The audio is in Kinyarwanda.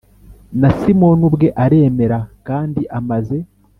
Na Simoni ubwe aremera kandi amaze